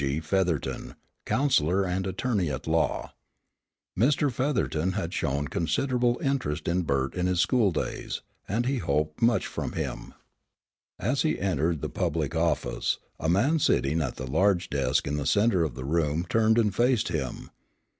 G. Featherton, Counsellor and Attorney at Law." Mr. Featherton had shown considerable interest in Bert in his school days, and he hoped much from him. As he entered the public office, a man sitting at the large desk in the centre of the room turned and faced him.